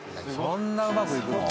そんなうまくいくの？